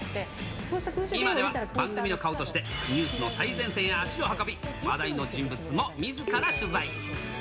今では番組の顔として、ニュースの最前線へ足を運び、話題の人物もみずから取材。